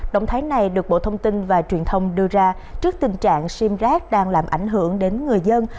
động thái này được bộ thông tin và truyền thông đưa ra trước tình trạng sim rác đang làm ảnh hưởng đến người dân